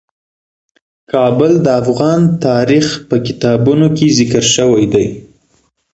کابل د افغان تاریخ په کتابونو کې ذکر شوی دي.